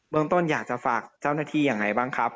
เมืองต้นอยากจะฝากเจ้าหน้าที่ยังไงบ้างครับ